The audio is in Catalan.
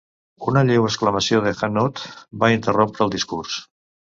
Una lleu exclamació de Hanaud va interrompre el discurs.